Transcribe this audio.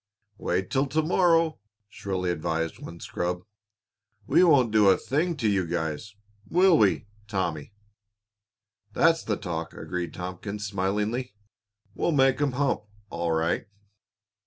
"Wait till to morrow!" shrilly advised one of the scrub. "We won't do a thing to you guys, will we, Tommy?" "That's the talk!" agreed Tompkins, smilingly. "We'll make 'em hump, all right."